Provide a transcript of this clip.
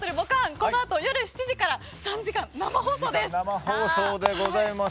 このあと夜７時から３時間生放送です。